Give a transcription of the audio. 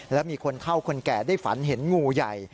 และมีคนเท่าคนแก่ได้ฝันเห็นงูใหญ่